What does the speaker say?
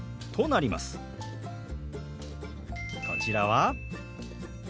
こちらは。